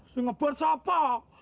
si ngebut siapa